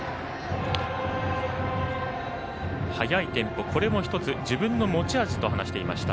速いテンポ、これも１つ自分の持ち味と話していました。